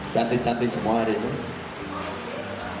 cantik cantik semua hari ini